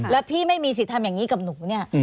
แล้วพี่ไม่มีสิทธิ์ทำอย่างนี้กับหนูเนี่ย